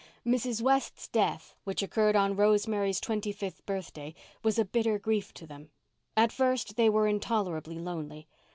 Mrs. West's death, which occurred on Rosemary's twenty fifth birthday, was a bitter grief to them. At first they were intolerably lonely.